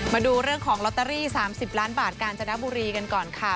มาดูเรื่องของลอตเตอรี่๓๐ล้านบาทกาญจนบุรีกันก่อนค่ะ